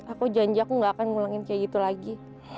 aku janji aku gak akan ngulangin kayak gitu lagi